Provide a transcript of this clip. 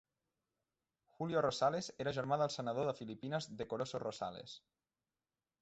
Julio Rosales era germà del senador de Filipines Decoroso Rosales.